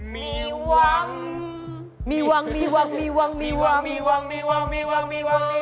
มีหวังมีหวังมีหวังมีหวังมีหวังมีหวังมีหวังมีหวังมีหวัง